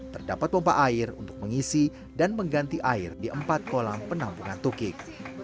terdapat pompa air untuk mengisi dan mengganti air di empat kolam penampungan tukik